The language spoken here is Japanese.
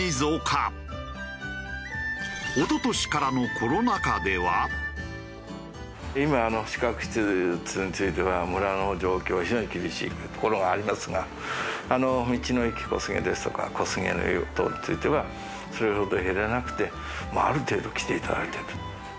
一昨年からの今宿泊施設については村の状況は非常に厳しいところがありますが道の駅こすげですとか小菅の湯等についてはそれほど減らなくてある程度来ていただいてる。